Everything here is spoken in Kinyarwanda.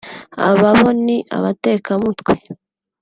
aba bo ni abateka mutwe